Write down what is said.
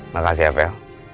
makasih ya veil